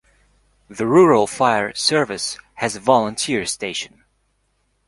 The Rural Fire Service has a volunteer station.